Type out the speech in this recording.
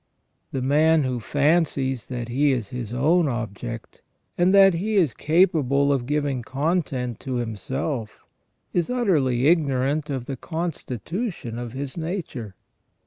The man who fancies that he is his own object, and that he is capable of giving content to himself, is utterly ignorant of the constitution of his nature.